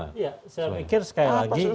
saya pikir sekali lagi